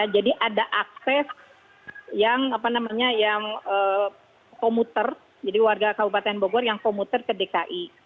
jadi ada akses yang komuter jadi warga kabupaten bogor yang komuter ke dki